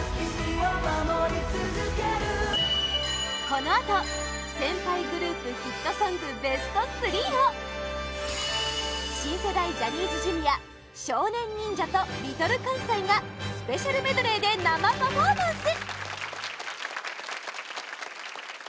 このあと、先輩グループヒットソングベスト３を新世代ジャニーズＪｒ．少年忍者とＬｉｌかんさいがスペシャルメドレーで生パフォーマンス！